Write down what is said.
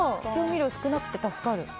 調味料少なくて助かる。